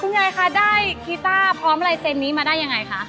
ยายคะได้กีต้าพร้อมลายเซ็นต์นี้มาได้ยังไงคะ